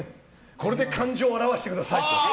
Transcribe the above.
これで感情を表してくださいと。